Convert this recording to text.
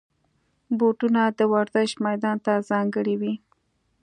بوټونه د ورزش میدان ته ځانګړي وي.